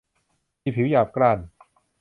มีผิวหยาบกร้าน